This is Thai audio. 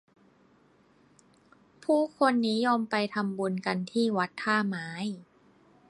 ผู้คนนิยมไปทำบุญกันที่วัดท่าไม้